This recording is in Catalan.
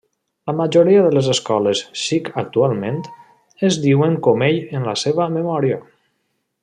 La majoria de les escoles Sikh actualment, es diuen com ell en la seva memòria.